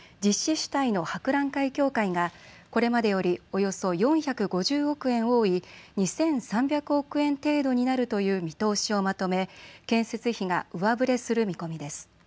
主体の博覧会協会がこれまでよりおよそ４５０億円多い２３００億円程度になるという見通しをまとめ建設費が上振れする見込みです。